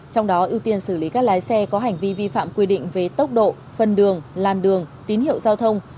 trong đó ưu tiên xử lý các lái xe có hành vi vi phạm quy định về tốc độ phân đường làn đường tín hiệu giao thông